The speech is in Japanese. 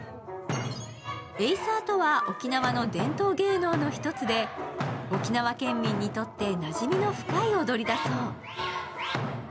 エイサーとは沖縄の伝統芸能の一つで沖縄県民にとってなじみの深い踊りだそう。